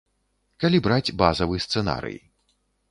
Калі браць базавы сцэнарый.